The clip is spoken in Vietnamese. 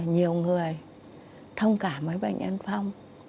nhiều người thông cảm với bệnh nhân phong